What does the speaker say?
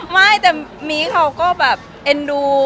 ไม่แต่มีเขาก็แบบเอ็นดู